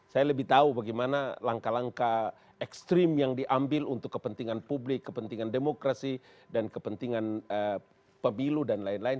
saya lebih tahu bagaimana langkah langkah ekstrim yang diambil untuk kepentingan publik kepentingan demokrasi dan kepentingan pemilu dan lain lain